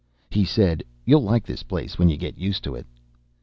He said, "You'll like this place when you get used to it."